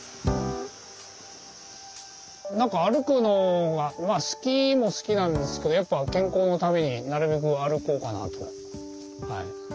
何か歩くのが好きも好きなんですけどやっぱ健康のためになるべく歩こうかなとはい。